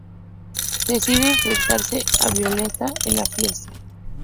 Decide enfrentarse a Violetta en la fiesta.